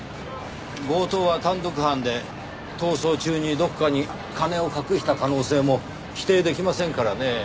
強盗は単独犯で逃走中にどこかに金を隠した可能性も否定出来ませんからねぇ。